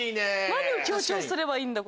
何を強調すればいいんだ？